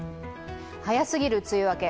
早すぎる梅雨明け。